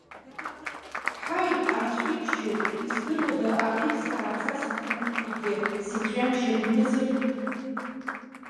Ҳаи, анцәа иџьшьоуп, издыруада, алемсаа рцас аҟынтәигьы, сыҵәҩаншьап мыӡыр!